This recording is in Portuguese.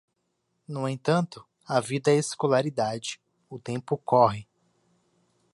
No entanto, a vida é escolaridade, o tempo corre.